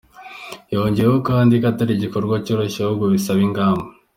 Yongeyeho ko atari igikorwa cyoroshye ahubwo bisaba ingamba.